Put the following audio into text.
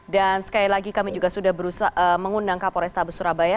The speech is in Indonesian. dan sekali lagi kami juga sudah berusaha mengundang kapolres tabus surabaya